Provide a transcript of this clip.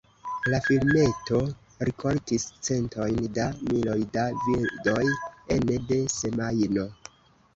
La filmeto rikoltis centojn da miloj da vidoj ene de semajno.